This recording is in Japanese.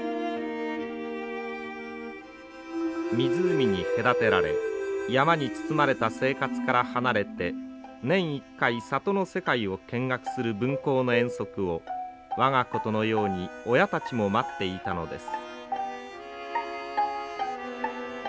湖に隔てられ山に包まれた生活から離れて年一回里の世界を見学する分校の遠足を我がことのように親たちも待っていたのです。